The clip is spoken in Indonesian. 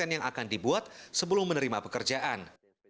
yang akan dibuat sebelum menerima pekerjaan